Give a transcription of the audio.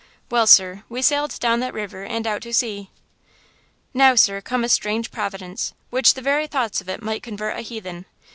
Well, sir, we sailed down that river and out to sea. "Now, sir, come a strange providence, which the very thoughts of it might convert a heathen!